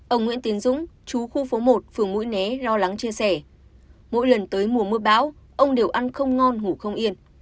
ông nguyễn tiến dũng chú khu phố một phường mũi né lo lắng chia sẻ mỗi lần tới mùa mưa bão ông đều ăn không ngon ngủ không yên